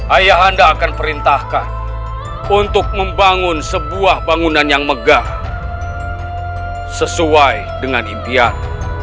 ayah anda akan perintahkan untuk membangun sebuah bangunan yang megah sesuai dengan impian